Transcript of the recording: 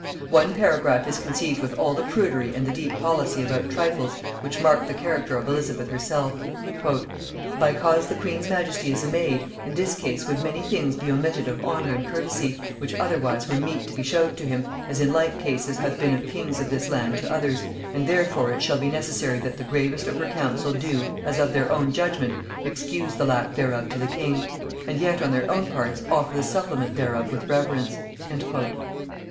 One paragraph is conceived with all the prudery and the deep policy about trifles, which marked the character of Elizabeth herself. "Bycause the queen's majesty is a maid, in this case would many things be omitted of honor and courtesy, which otherwise were mete to be showed to him, as in like cases hath been of kings of this land to others, and therefore it shall be necessary that the gravest of her council do, as of their own judgement, excuse the lack thereof to the king; and yet on their own parts offer the supplement thereof with reverence."